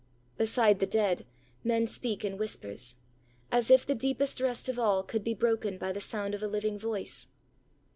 Beside the dead, men speak in whispers, as if the deepest rest of all could be broken by the sound of a living voice.